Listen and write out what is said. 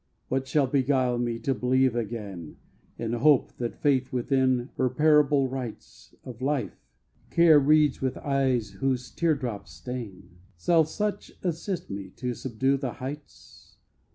What shall beguile me to believe again In hope, that faith within her parable writes Of life, care reads with eyes whose tear drops stain? Shall such assist me to subdue the heights?